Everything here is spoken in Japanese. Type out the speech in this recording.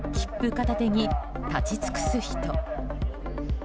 片手に立ち尽くす人。